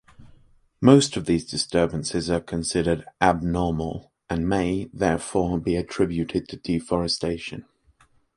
Most of these disturbances are considered abnormal and may, therefore, be attributed to deforestation.